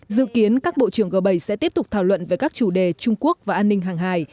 dự kiến các bộ trưởng g bảy sẽ tiếp tục thảo luận về các chủ đề trung quốc và an ninh hàng hài